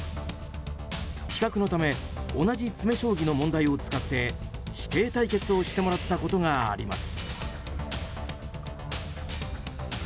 比較のため同じ詰将棋の問題を使って師弟対決をしてもらったことがあります。